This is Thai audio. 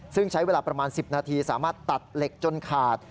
ซึ่งใช้เวลาประมาณ๑๐นาทีสามารถตัดเหล็กจนขาด